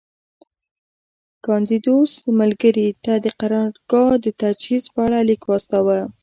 کاندیدوس ملګري ته د قرارګاه د تجهیز په اړه لیک واستاوه